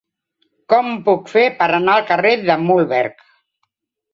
Com ho puc fer per anar al carrer de Mühlberg?